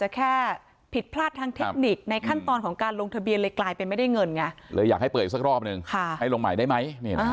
แค่ผิดพลาดทางเทคนิคในขั้นตอนของการลงทะเบียนเลยกลายเป็นไม่ได้เงินไงเลยอยากให้เปิดอีกสักรอบนึงให้ลงใหม่ได้ไหม